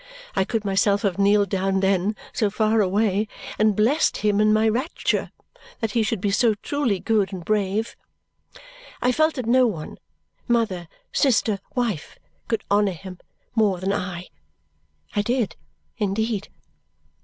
I could myself have kneeled down then, so far away, and blessed him in my rapture that he should be so truly good and brave. I felt that no one mother, sister, wife could honour him more than I. I did, indeed!